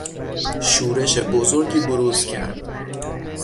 شورش بزرگی بروز کرد.